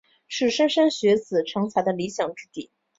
是莘莘学子成才的理想之地。